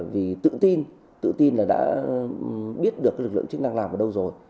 vì tự tin tự tin là đã biết được lực lượng chức năng làm ở đâu rồi